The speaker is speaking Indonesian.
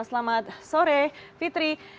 selamat sore fitri